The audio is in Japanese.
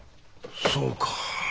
そうか。